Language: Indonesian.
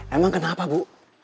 emang kenapa bu